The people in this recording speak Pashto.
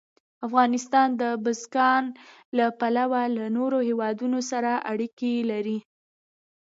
افغانستان د بزګان له پلوه له نورو هېوادونو سره اړیکې لري.